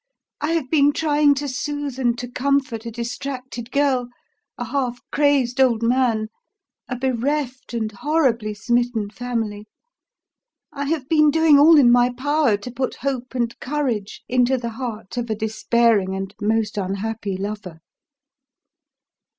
I have been trying to soothe and to comfort a distracted girl, a half crazed old man, a bereft and horribly smitten family. I have been doing all in my power to put hope and courage into the heart of a despairing and most unhappy lover."